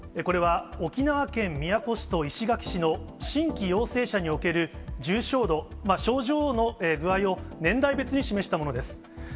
これは、沖縄県宮古市と石垣市の新規陽性者における重症度、症状の具合を、年代別に示したものです。